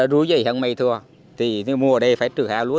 rúi dày hẳn mây thua thì mua ở đây phải trừ hạ lúa